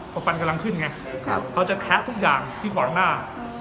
พอฟันกำลังขึ้นไงเขาจะแคะทุกอย่างที่ขวางหน้า